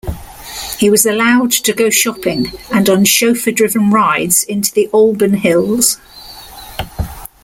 He was allowed to go shopping, and on chauffeur-driven rides into the Alban hills.